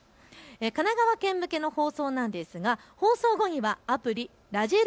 神奈川県向けの放送なんですが放送後にはアプリ、らじる★